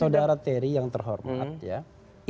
saudara teri yang terhormat